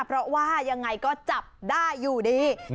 เพราะว่ายังไงก็จับได้อยู่ดี